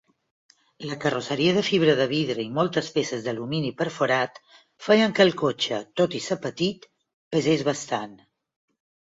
La carrosseria de fibra de vidre i moltes peces d'alumini perforat feien que el cotxe, tot i ser petit, pesés bastant.